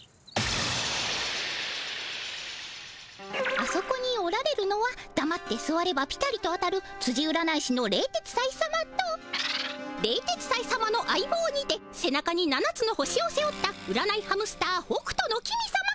あそこにおられるのはだまってすわればピタリと当たるつじ占い師の冷徹斎さまと冷徹斎さまの相棒にて背中に７つの星を背負った占いハムスター北斗の公さま。